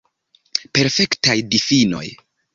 Perfektaj difinoj.